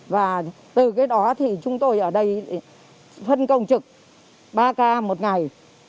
và từ cái đó thì chúng tôi ở đây phân công trực ba k một ngày